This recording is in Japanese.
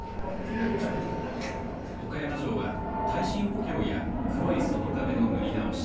岡山城は、耐震補強や黒い外壁の塗り直し。